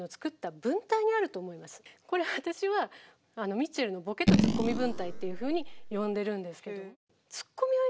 これ私はミッチェルのボケとツッコミ文体というふうに呼んでるんです。